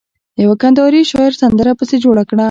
يوه کنداري شاعر سندره پسې جوړه کړه.